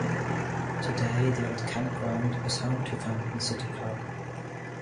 Today, the old campground is home to Fountain City Park.